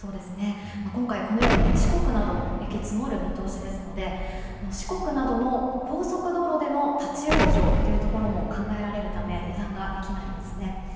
今回、四国なども雪、積もる見通しですので四国などの高速道路での立ち往生というところも考えられるため油断ができないんですね。